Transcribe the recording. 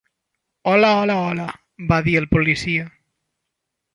"Hola, hola, hola", va dir el policia.